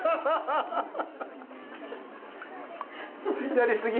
やりすぎ？